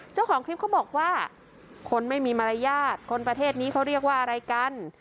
เจ้าของคลิปเขาบอกว่าคนไม่มีมารยาทคนประเทศนี้เขาเรียกว่าอะไรกัน